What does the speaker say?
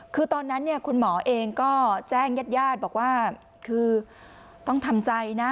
คือตอนนั้นเนี่ยคุณหมอเองก็แจ้งญาติญาติบอกว่าคือต้องทำใจนะ